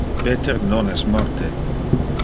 Peter non es morte.